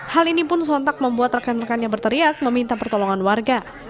hal ini pun sontak membuat rekan rekannya berteriak meminta pertolongan warga